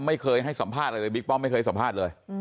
ไม่เคยให้สัมภาษณ์อะไรเลยบิ๊กป้อมไม่เคยสัมภาษณ์เลย